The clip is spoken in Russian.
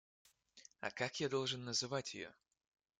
А как я должен называть ее?